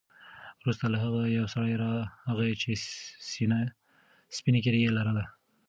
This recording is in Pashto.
وروسته له هغه یو سړی راغی چې سپینه ږیره یې لرله.